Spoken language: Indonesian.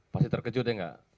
pasti terkejut ya enggak